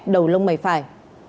đầu lông mày phải